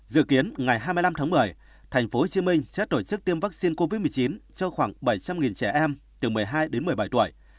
dự kiến ngày hai mươi năm tháng một mươi tp hcm sẽ tổ chức tiêm vaccine covid một mươi chín cho khoảng bảy trăm linh trẻ em từ một mươi hai đến một mươi bảy tuổi